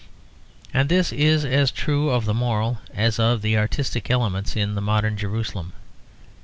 And this is as true of the moral as of the artistic elements in the modern Jerusalem.